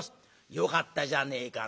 「よかったじゃねえかな」。